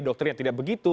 doktrinya tidak begitu